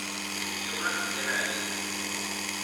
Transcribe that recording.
Escribió una quincena de libros.